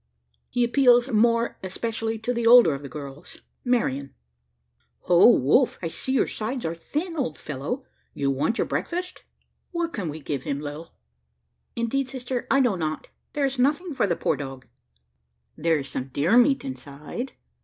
He appeals more especially to the older of the girls Marian. "Ho, Wolf! I see your sides are thin, old fellow: you want your breakfast! What can we give him, Lil?" "Indeed, sister, I know not: there is nothing for the poor dog." "There is some deer meat inside?"